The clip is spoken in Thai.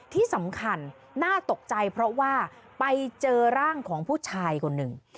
ที่สำคัญน่าตกใจเพราะว่าไปเจอร่างของผู้ชายคนหนึ่ง